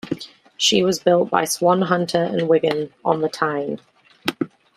She was built by Swan Hunter and Wigham on the Tyne.